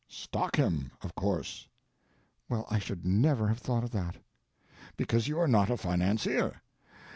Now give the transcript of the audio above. "Stock him—of course." "Well, I should never have thought of that." "Because you are not a financier.